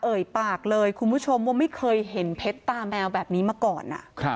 เอ่ยปากเลยคุณผู้ชมว่าไม่เคยเห็นเพชรตาแมวแบบนี้มาก่อน